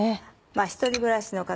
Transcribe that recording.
１人暮らしの方